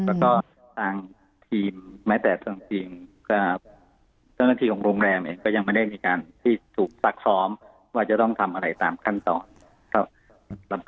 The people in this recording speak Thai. แล้วก็ทางทีมแม้แต่ทางทีมก็เจ้าหน้าที่ของโรงแรมเองก็ยังไม่ได้มีการที่ถูกซักซ้อมว่าจะต้องทำอะไรตามขั้นตอนครับ